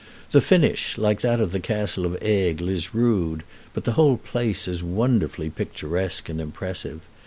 The finish, like that of the castle of Aigle, is rude, but the whole place is wonderfully picturesque and impressive.